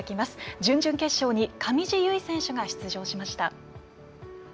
準々決勝に上地結衣選手が登場しました。